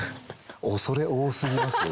恐れ多すぎますよ。